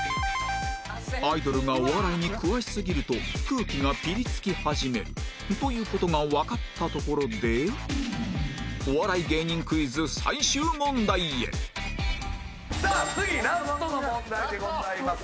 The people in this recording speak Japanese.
アイドルがお笑いに詳しすぎると空気がピリつき始めるという事がわかったところでお笑い芸人クイズさあ次ラストの問題でございます。